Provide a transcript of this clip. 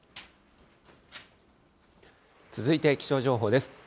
続いて気象情報です。